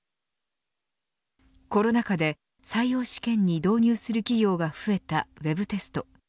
コロナ禍で採用試験に導入する企業が増えたウェブテスト。